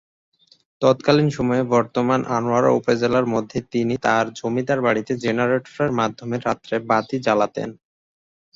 তৎকালীন সময়ে বর্তমান আনোয়ারা উপজেলার মধ্যে তিনি তার জমিদার বাড়িতে জেনারেটরের মাধ্যমে রাত্রে বাতি জালাতেন।